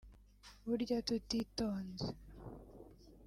Burya tutitonze